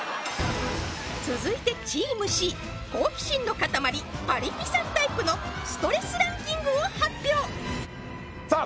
続いてチームＣ好奇心の塊パリピさんタイプのストレスランキングを発表さあ